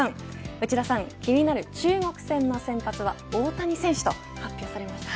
内田さん気になる中国戦の先発は大谷選手と発表されました。